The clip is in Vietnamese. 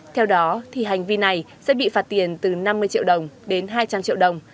theo đó hành vi này sẽ bị phạt tiền từ năm mươi triệu đồng đến hai trăm linh triệu đồng